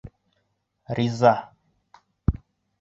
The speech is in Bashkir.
Риза!